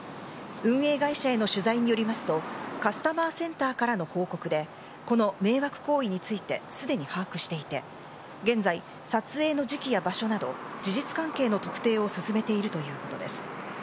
運営会社への取材によりますとカスタマーセンターからの報告でこの迷惑行為についてすでに把握していて現在、撮影の時期や場所など事実関係の特定を進めているということです。